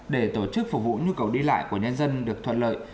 để tổ chức phục vụ nhu cầu đi lại của nhân dân được thuận lợi